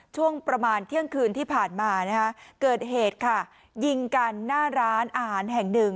ช่วงประมาณเที่ยงคืนที่ผ่านมานะคะเกิดเหตุค่ะยิงกันหน้าร้านอาหารแห่งหนึ่ง